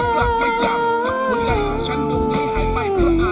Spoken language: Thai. ใจที่ยังบอกช้ำยังโดนเหยียบซ้ำ